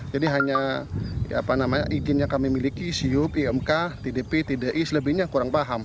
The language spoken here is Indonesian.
jadi hanya izin yang kami miliki siup imk tdp tdi selebihnya kurang paham